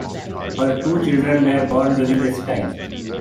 Her two children were born during this time.